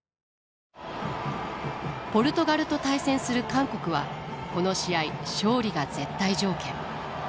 ポルトガルと対戦する韓国はこの試合勝利が絶対条件。